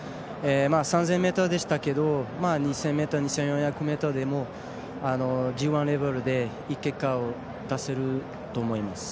３０００ｍでしたけど２０００ｍ２４００ｍでも、ＧＩレベルでいい結果を出せると思います。